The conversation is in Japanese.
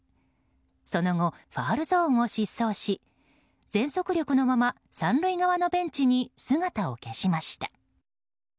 その後、ファウルゾーンを疾走し全速力のまま３塁側のベンチに姿を消しました。